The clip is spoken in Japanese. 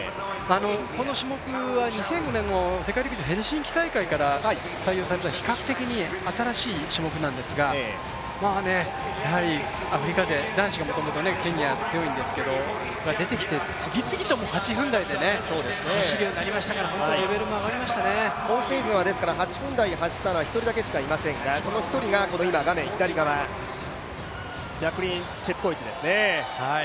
この種目は２００５年の世界陸上ヘルシンキ大会から採用された、比較的に新しい種目なんですが、やはりアフリカ勢、男子がもともとケニアは強いんですけど、次々と８分台で走るようになりましたから、今シーズンは８分台で走ったのは１人だけしかいませんが、その１人が今、画面左側、ジャックリーン・チェプコエチですね。